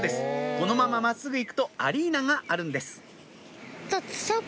このまま真っすぐ行くとアリーナがあるんです